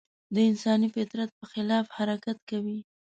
د انساني فطرت په خلاف حرکت کوي.